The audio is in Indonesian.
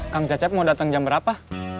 kang cecep mau datang jam berapa